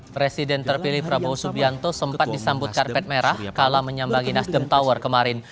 presiden terpilih prabowo subianto sempat disambut karpet merah kala menyambangi nasdem tower kemarin